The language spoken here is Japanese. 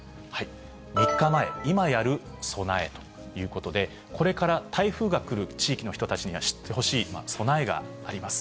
３日前、今やる備えということで、これから台風が来る地域の人たちには知ってほしい備えがあります。